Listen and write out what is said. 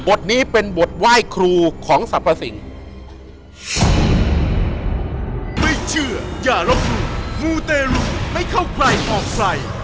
บทนี้เป็นบทไว้ครูของสรรพสิงษ์